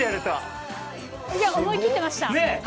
思い切ってました。